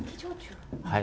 はい。